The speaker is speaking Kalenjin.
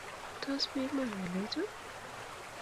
Tos pi iman ng'alechu?